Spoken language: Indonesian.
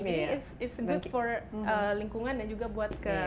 jadi it's good for lingkungan dan juga buat ke